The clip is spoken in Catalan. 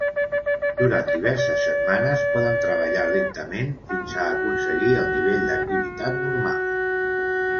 Durant diverses setmanes, poden treballar lentament fins a aconseguir el nivell d'activitat normal.